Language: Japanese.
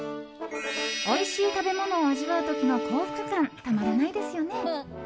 おいしい食べ物を味わう時の幸福感、たまらないですよね！